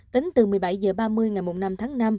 tính từ một mươi bảy h ba mươi ngày năm tháng năm